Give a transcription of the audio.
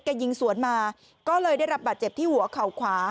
ยิงสวนมาก็เลยได้รับบาดเจ็บที่หัวเข่าขวา